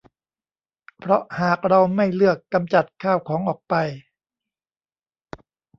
เพราะหากเราไม่เลือกกำจัดข้าวของออกไป